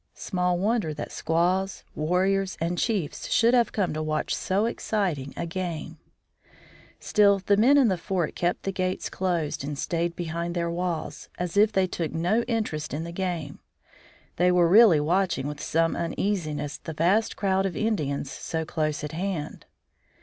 Small wonder that squaws, warriors, and chiefs should have come to watch so exciting a game! [Illustration: INDIANS PLAYING BALL] Still the men in the fort kept the gates closed and stayed behind their walls, as if they took no interest in the game. They were really watching with some uneasiness the vast crowd of Indians so close at hand.